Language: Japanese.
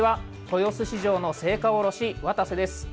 豊洲市場の青果卸、渡瀬です。